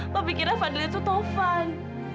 papi kira fadil itu taufan